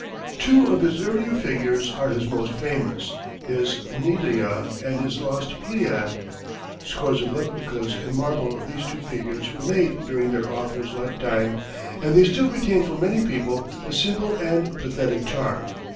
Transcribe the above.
Two of his earlier figures are his most famous, his "Nydia" and his "Lost Pleiad." Scores of replicas in marble of these two figures were made during their author's life time, and they still retain for many people a simple and pathetic charm.